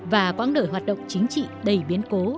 và quãng đời hoạt động chính trị đầy biến cố